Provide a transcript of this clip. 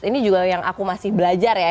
ini juga yang aku masih belajar ya